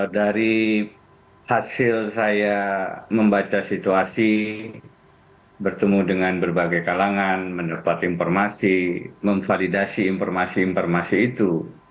dari hasil saya membaca situasi bertemu dengan berbagai kalangan menerpat informasi memvalidasi informasi informasi itu